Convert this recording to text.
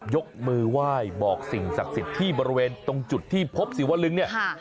ยกมือไหว้บอกสิ่งศักดิ์สิทธิ์ที่บริเวณตรงจุดที่พบศิวลึงเนี่ย